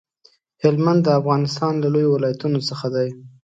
هلمند د افغانستان له لويو ولايتونو څخه دی.